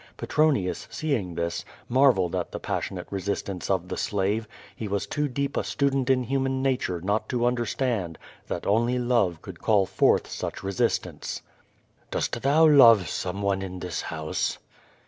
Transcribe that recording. Petronius, seeing this, marvelled at the passionate resistance of the slave; he was too deep a student in human nature not to understand that only love could call forth such resistance. '^ost thou love someone in this house?"